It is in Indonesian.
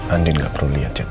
andien gak perlu lihat cet